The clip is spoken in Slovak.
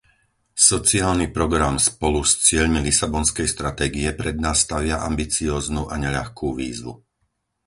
Sociálny program spolu s cieľmi Lisabonskej stratégie pred nás stavia ambicióznu a neľahkú výzvu.